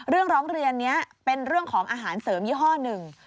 ร้องเรียนนี้เป็นเรื่องของอาหารเสริมยี่ห้อหนึ่ง